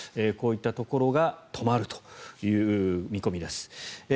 こういったところが止まるという見込みです。